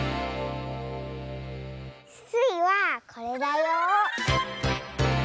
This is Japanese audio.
スイはこれだよ。